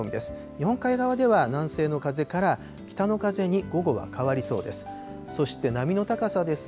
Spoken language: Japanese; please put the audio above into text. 日本海側では南西の風から北の風に午後は変わりそうです。